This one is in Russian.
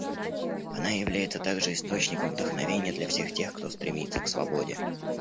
Она является также источником вдохновения для всех тех, кто стремится к свободе.